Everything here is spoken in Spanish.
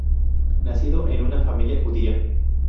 Nacido en un familia judía.